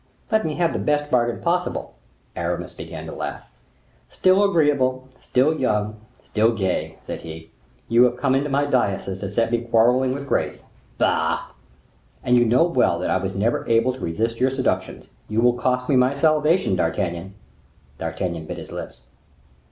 Let me have the best bargain possible." Aramis began to laugh. "Still agreeable, still young, still gay," said he. "You have come into my diocese to set me quarreling with grace." "Bah!" "And you know well that I was never able to resist your seductions; you will cost me my salvation, D'Artagnan." D'Artagnan bit his lips.